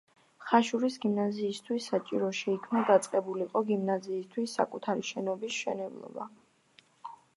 ხაშურის გიმნაზიისთვის საჭირო შეიქმნა დაწყებულიყო გიმნაზიისთვის საკუთარი შენობის მშენებლობა.